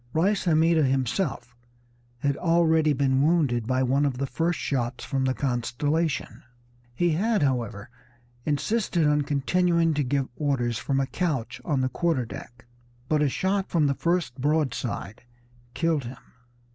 Reis Hammida himself had already been wounded by one of the first shots from the Constellation. He had, however, insisted on continuing to give orders from a couch on the quarter deck, but a shot from the first broadside killed him.